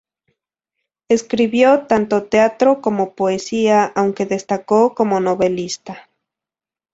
Escribió tanto teatro como poesía, aunque destacó como novelista.